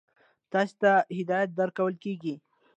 تاسې ته هدایت درکول کیږي.